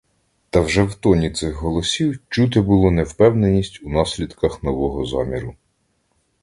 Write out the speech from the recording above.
Та вже в тоні цих голосів чути було невпевненість у наслідках нового заміру.